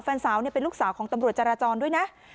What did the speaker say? แฟนสาวเป็นลูกสาวของตำรวจจราจรด้วยนะ